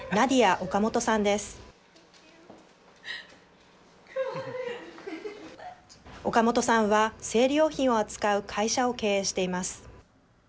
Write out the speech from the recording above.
オカモトさんは生理用品を扱う会社を経営しています。